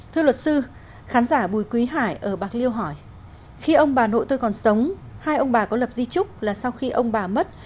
thưa luật sư khán giả bùi quý hải ở bạc liêu hỏi khi ông bà nội tôi còn sống hai ông bà có lập di trúc là sau khi ông bà mất